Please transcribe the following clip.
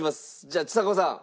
じゃあちさ子さん。